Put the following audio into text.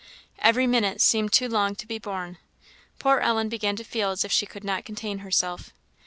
Every minute seemed too long to be borne; poor Ellen began to feel as if she could not contain herself.